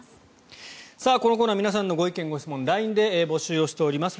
このコーナー皆さんのご意見・ご質問をＬＩＮＥで募集しております。